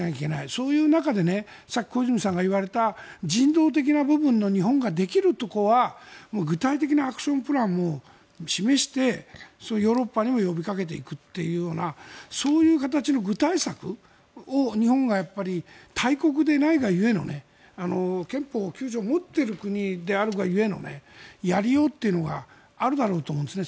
そういう中でさっき小泉さんが言われた人道的な部分の日本ができるところは具体的なアクションプランを示してヨーロッパにも呼びかけていくというようなそういう形の具体策を日本が大国でないが故の憲法９条を持っている国であるが故のやりようというのがあるだろうと思うんですね。